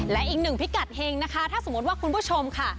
และอีกหนึ่งพิกัดเฮงนะคะถ้าสมมติว่าคุณผู้ชมค่ะ